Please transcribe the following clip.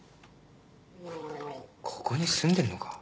ここに住んでるのか？